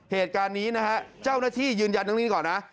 เหตุการณ์นี้นะฮะเจ้าหน้าที่ยืนยันตรงนี้ก่อนนะ